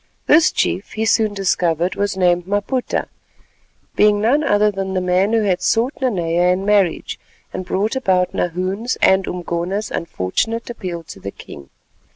This chief, he soon discovered, was named Maputa, being none other than the man who had sought Nanea in marriage and brought about Nahoon's and Umgona's unfortunate appeal to the king.